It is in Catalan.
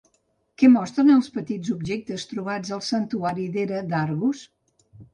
Què mostren els petits objectes trobats al santuari d'Hera d'Argos?